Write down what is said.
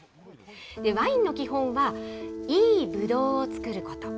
ワインの基本はいいぶどうを作ること。